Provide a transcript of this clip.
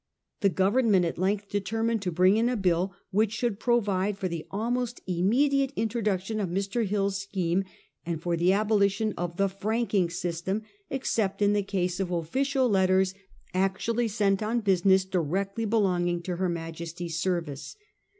The Government at length determined to bring in a bill which should provide for the almost immediate introduction of Mr. Hill's scheme, and for the abolition of the franking system except in the case of official letters actually sent on business directly belonging to her Majesty's service.